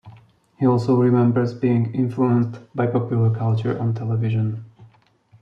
He also remembers being influenced by popular culture on television.